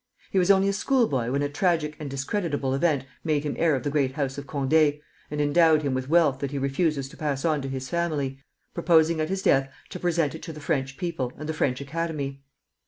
He was only a school boy when a tragic and discreditable event made him heir of the great house of Condé, and endowed him with wealth that he refuses to pass on to his family, proposing at his death to present it to the French people and the French Academy.